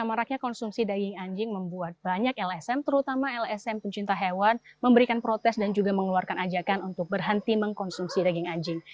maraknya konsumsi daging anjing membuat banyak lsm terutama lsm pencinta hewan memberikan protes dan juga mengeluarkan ajakan untuk berhenti mengkonsumsi daging anjing